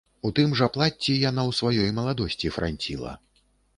У тым жа плацці яна ў сваёй маладосці франціла.